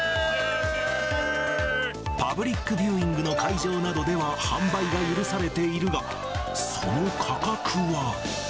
パブリックビューイングの会場などでは、販売が許されているが、その価格は。